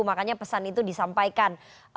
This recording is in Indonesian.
makanya pesan itu disampaikan